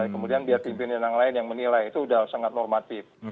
kemudian biar pimpinan yang lain yang menilai itu sudah sangat normatif